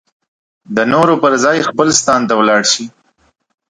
د نورو پر ځای خپل ستان ته ولاړ شي.